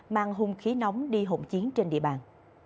mang hung khí nóng đi hộn chiến trên địa bàn